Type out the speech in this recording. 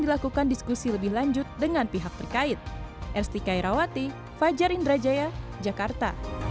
diperlukan diskusi lebih lanjut dengan pihak terkait